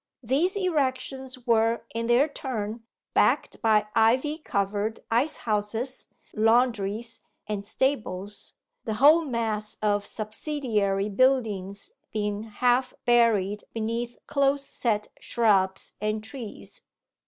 These erections were in their turn backed by ivy covered ice houses, laundries, and stables, the whole mass of subsidiary buildings being half buried beneath close set shrubs and trees.